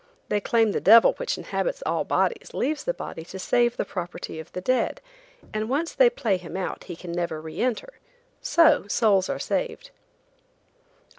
They claim the devil which inhabits all bodies leaves the body to save the property of the dead, and once they play him out he can never re enter, so souls are saved.